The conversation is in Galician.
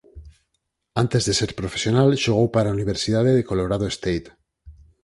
Antes de ser profesional xogou para a Universidade de Colorado State.